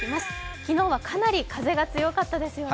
昨日はかなり風が強かったですよね。